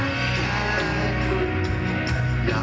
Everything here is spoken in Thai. ไม่รัก